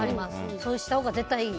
そうしたほうが絶対いい。